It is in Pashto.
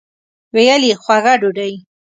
ویل یې خوږه ډوډۍ.